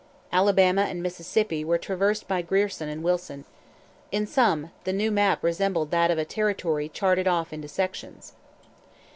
Alabama and Mississippi were traversed by Grierson and Wilson. In sum, the new map resembled that of a territory charted off into sections.